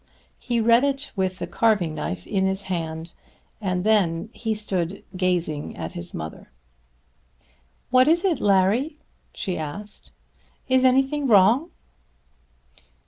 He read it with the carving knife in his hand, and then he stood gazing at his mother. "What is it, Larry?" she asked; "is anything wrong?"